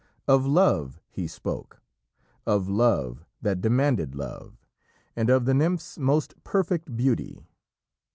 Of love he spoke, of love that demanded love, and of the nymph's most perfect beauty.